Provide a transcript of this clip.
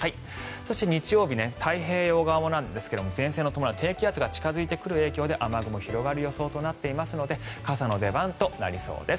そして日曜日太平洋側なんですが前線の伴う低気圧が近付いてくる影響で雨雲が広がる予想となっているので傘の出番となりそうです。